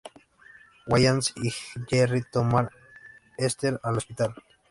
Wallace y Jerry tomar Esther al hospital.